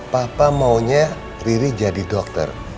papa maunya riri jadi dokter